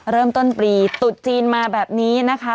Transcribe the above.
เริ่มต้นปีตุดจีนมาแบบนี้นะคะ